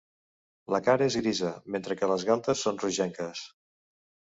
La cara és grisa, mentre que les galtes són rogenques.